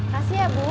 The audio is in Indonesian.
kasih ya bu